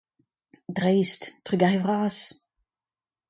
Dreist ! Trugarez vras !